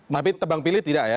tapi tebang pilih tidak ya